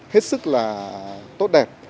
hết sức là tốt đẹp